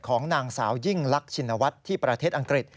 ของนางสาวยิ่งลักชินวัฒน์ที่ประเทศอังกฤษ